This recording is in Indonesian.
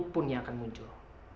penghitungnya akan muncul